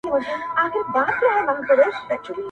غلامان دي د بل غولي ته روزلي -